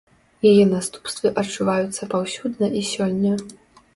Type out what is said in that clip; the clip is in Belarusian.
Яе наступствы адчуваюцца паўсюдна і сёння.